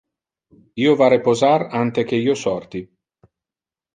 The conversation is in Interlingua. Io va reposar ante que io sorti.